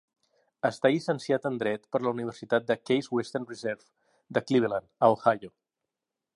Està llicenciat en dret per la Universitat Case Western Reserve de Cleveland, a Ohio.